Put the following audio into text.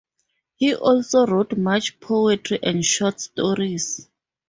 He also wrote much poetry and short stories.